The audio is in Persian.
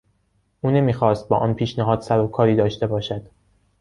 او نمیخواست با آن پیشنهاد سر و کاری داشته باشد.